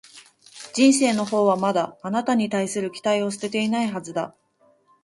人生のほうはまだ、あなたに対する期待を捨てていないはずだ